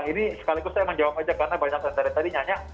ini sekaligus saya menjawab aja karena banyak yang dari tadi nyanyi